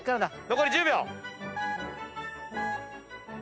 残り１０秒。